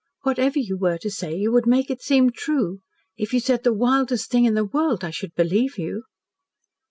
Whatever you were to say, you would make it seem TRUE. If you said the wildest thing in the world I should BELIEVE you."